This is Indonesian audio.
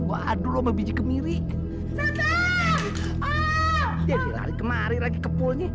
kurang aja beli masuk kamar aie